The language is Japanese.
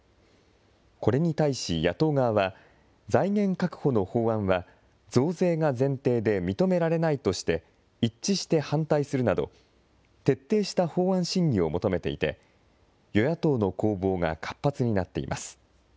これに対し野党側は、財源確保の法案は、増税が前提で認められないとして、一致して反対するなど、徹底した法案審議を求めていて、与野党の攻防が活発になっています。